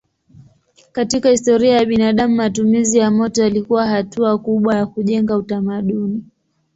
Katika historia ya binadamu matumizi ya moto yalikuwa hatua kubwa ya kujenga utamaduni.